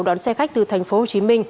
đón xe khách từ tp hcm